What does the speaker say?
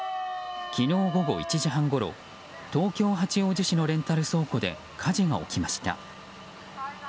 昨日午後１時半ごろ東京・八王子市のレンタル倉庫で火事が起きました。